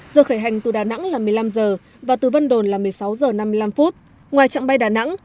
do khởi hành từ đà nẵng là một mươi năm h và từ vân đồn là một mươi sáu h năm mươi năm ngoài trạng bay đà nẵng